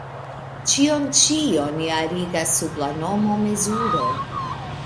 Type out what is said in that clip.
Ĉion ĉi oni arigas sub la nomo "mezuro".